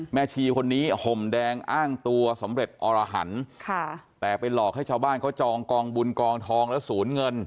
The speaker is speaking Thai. ชีคนนี้ห่มแดงอ้างตัวสำเร็จอรหันค่ะแต่ไปหลอกให้ชาวบ้านเขาจองกองบุญกองทองและศูนย์เงิน